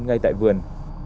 ngay tại vườn